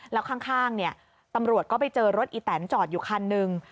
แล้วข้างตำรวจก็ไปเจอรถอีแตนจอดอยู่คันหนึ่ง